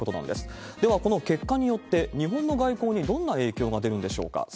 ではこの結果によって、日本の外交にどんな影響が出るんでしょうか。